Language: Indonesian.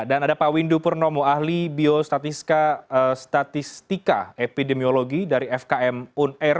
dan ada pak windu purnomo ahli biostatistika epidemiologi dari fkm unr